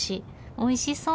おいしそう！